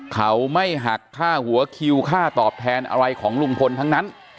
เขาไม่หักค่าหัวคิวค่าตอบแทนอะไรของลุงพลทั้งนั้น